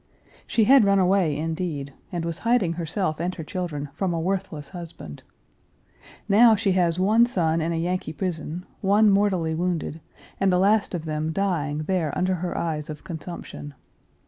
She had run away, indeed, and was hiding herself and her children from a worthless husband. Now, she has one son in a Yankee prison, one mortally wounded, and the last of them dying there under her eyes of consumption.